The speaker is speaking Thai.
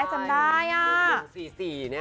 จำได้อะ